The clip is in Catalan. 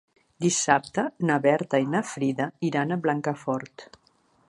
Dissabte na Berta i na Frida iran a Blancafort.